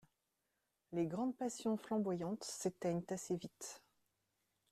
Les grandes passions flamboyantes s'éteignent assez vite.